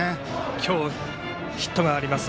今日、ヒットがあります